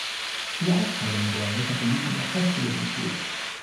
Die Ausscheidung der Metaboliten erfolgt über den Stuhl.